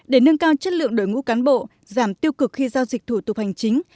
để nâng cao chất lượng đội ngũ cán bộ giảm tiêu cực khi giao dịch thủ tục hành chính